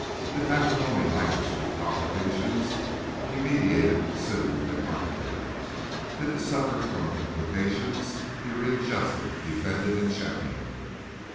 Did matrimony languish through complications, he mediated, soothed and arbitrated. Did it suffer from implications, he readjusted, defended and championed.